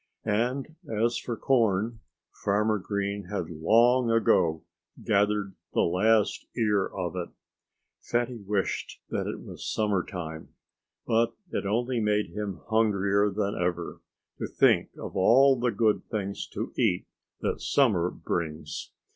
And as for corn Farmer Green had long ago gathered the last ear of it. Fatty wished that it was summertime. But it only made him hungrier than ever, to think of all the good things to eat that summer brings.